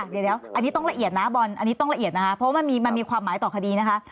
เดี๋ยวอันนี้ต้องละเอียดนะบอลอันนี้ต้องละเอียดนะคะเพราะว่ามันมีความหมายต่อคดีนะคะ